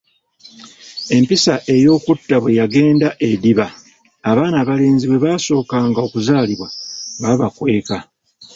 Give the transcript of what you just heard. Empisa ey’okutta bwe yagenda ediba, abaana abalenzi bwe baasookanga okuzaalibwa nga babakweka.